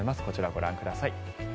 こちら、ご覧ください。